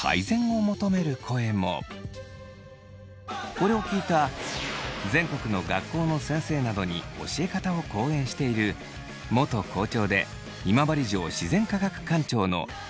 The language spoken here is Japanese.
これを聞いた全国の学校の先生などに教え方を講演している元校長で今治城自然科学館長の村上圭司さんによると。